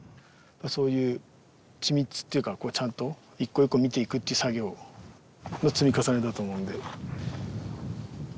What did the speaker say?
そういう緻密っていうかちゃんと一個一個見ていくっていう作業の積み重ねだと思うんで。